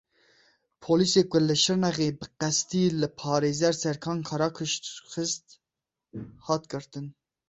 Polîsê ku li Şirnexê bi qestî li parêzer Serkan Karakaş xist, hat girtin.